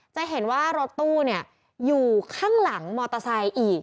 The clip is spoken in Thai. จะเห็นว่ารถตู้อยู่ข้างหลังมอเตอร์ไซค์อีก